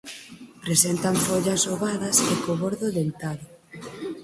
Presentan follas ovadas e co bordo dentado.